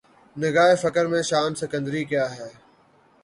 نگاہ فقر میں شان سکندری کیا ہے